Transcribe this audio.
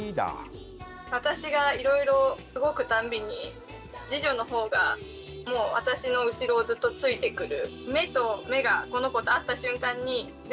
私がいろいろ動くたんびに次女のほうがもう私の後ろをずっとついてくる。